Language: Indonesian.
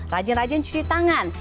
rajin rajin cuci tangan